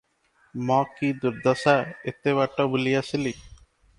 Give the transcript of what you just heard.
ମ-କି ଦୁର୍ଦ୍ଦଶା! ଏତେ ବାଟ ବୁଲି ଆସିଲି?